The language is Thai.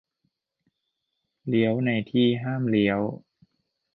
- เลี้ยวในที่ห้ามเลี้ยว